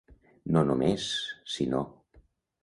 No només... sinó.